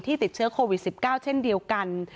ติดเชื้อโควิด๑๙เช่นเดียวกัน